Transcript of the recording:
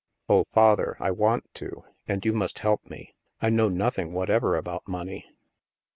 " Oh, Father, I want to. And you must help me. I know nothing whatever about money."